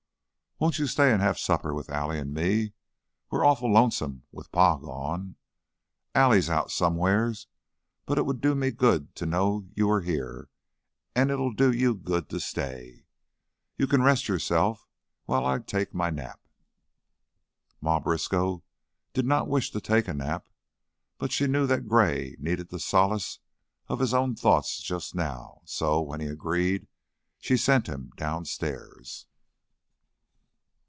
"Won't you stay an' have supper with Allie an' me? We're awful lonesome with Pa gone. Allie's out som'er's, but it would do me good to know you was here an' it 'll do you good to stay. You can rest yourself while I take my nap." Ma Briskow did not wish to take a nap, but she knew that Gray needed the solace of his own thoughts just now, so, when he agreed, she sent him downstairs.